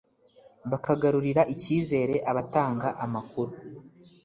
bakagarurira ikizere abatanga amakuru